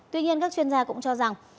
tuy nhiên các chuyên gia cũng cho rằng